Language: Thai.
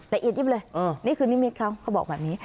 ละเอียดยิบเลยนี่คือนิมิตเขาเขาบอกแบบนี้